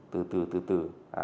từ từ từ từ